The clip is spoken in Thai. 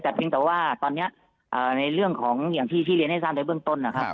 แต่เพียงแต่ว่าตอนนี้ในเรื่องของอย่างที่เรียนให้ทราบในเบื้องต้นนะครับ